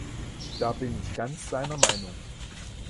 Da bin ich ganz seiner Meinung.